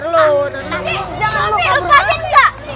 sopri lepasin enggak